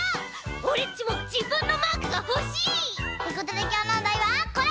オレっちもじぶんのマークがほしい！ってことできょうのおだいはこれ！